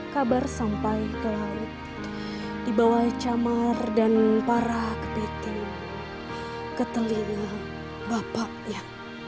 kabar sampai ke laut dibawah camar dan para kepiting ketelinga bapaknya